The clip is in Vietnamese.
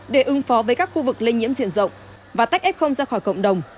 để ưng phó với các khu vực lây nhiễm diện rộng và tách ép không ra khỏi cộng đồng